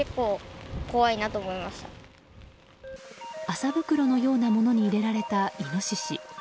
麻袋のようなものに入れられたイノシシ。